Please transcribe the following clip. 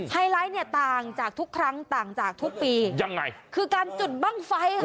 ไลท์เนี่ยต่างจากทุกครั้งต่างจากทุกปียังไงคือการจุดบ้างไฟค่ะ